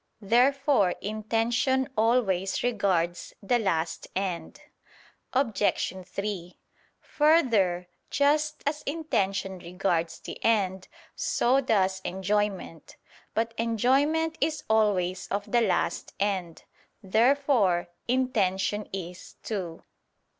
Therefore intention always regards the last end. Obj. 3: Further, just as intention regards the end, so does enjoyment. But enjoyment is always of the last end. Therefore intention is too.